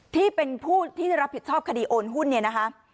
ที่เป็นผู้ที่จะรับผิดชอบคดีโอนหุ้น